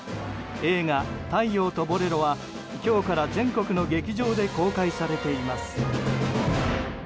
映画「太陽とボレロ」は今日から全国の劇場で公開されています。